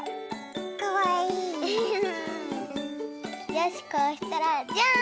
よしこうしたらジャーン！